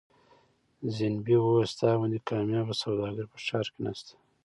زینبې وویل ستا غوندې کاميابه سوداګر په ښار کې نشته.